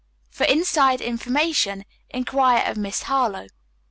For inside information inquire of Miss Harlowe.